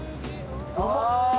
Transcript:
ああ！